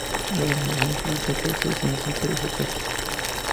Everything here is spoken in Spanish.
La renovación incluye el salto hacia escenas heterosexuales.